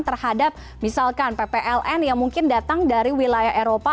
terhadap misalkan ppln yang mungkin datang dari wilayah eropa